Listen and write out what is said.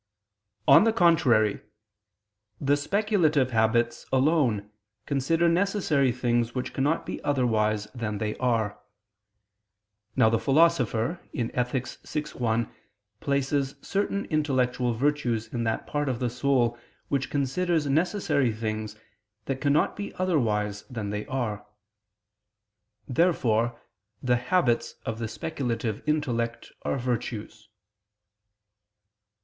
On the contrary, The speculative habits alone consider necessary things which cannot be otherwise than they are. Now the Philosopher (Ethic. vi, 1) places certain intellectual virtues in that part of the soul which considers necessary things that cannot be otherwise than they are. Therefore the habits of the speculative intellect are virtues.